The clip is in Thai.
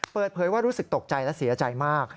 เปิดเผยว่ารู้สึกตกใจและเสียใจมาก